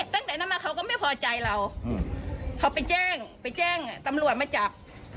ตั้งแต่นั้นมาเขาก็ไม่พอใจเราเขาไปแจ้งไปแจ้งตำรวจมาจับ